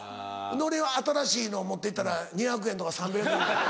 俺は新しいのを持ってったら２００円とか３００円。